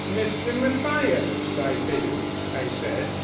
'Mr Mathias, I think?' I said.